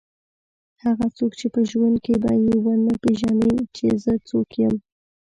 هغه څوک چې په ژوند کې به یې ونه پېژني چې زه څوک یم.